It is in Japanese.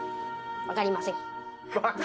わかりません。